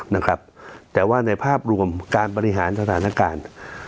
นะครับแต่ว่าในภาพรวมการบริหารสถานการณ์